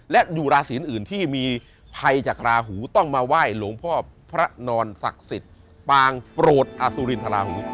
และอยู่ราศีอื่นที่มีภัยจากราหูต้องมาไหว้หลวงพ่อพระนอนศักดิ์สิทธิ์ปางโปรดอสุรินทราหู